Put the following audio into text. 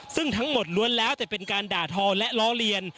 ซึ่งทั้งหมดล้วนแล้วแต่เป็นการด่าทอและล้อเลียน